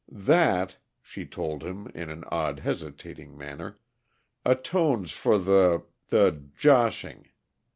"That," she told him, in an odd, hesitating manner, "atones for the the 'joshing.'